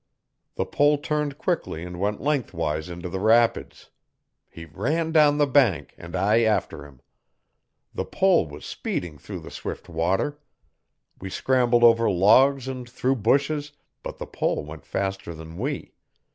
The pole turned quickly and went lengthwise into the rapids. He ran down the bank and I after him. The pole was speeding through the swift water. We scrambled over logs and through bushes, but the pole went faster than we.